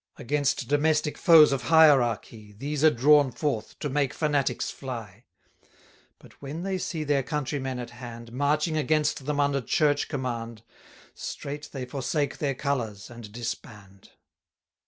Against domestic foes of hierarchy These are drawn forth, to make fanatics fly; But, when they see their countrymen at hand, Marching against them under Church command, Straight they forsake their colours, and disband.